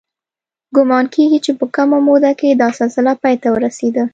ګومان کېږي چې په کمه موده کې دا سلسله پای ته ورسېده